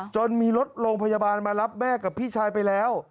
จนมีรถโรงพยาบาลมารับแม่กับพี่ชายไปแล้ว